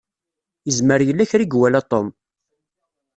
Izmer yella kra i iwala Tom.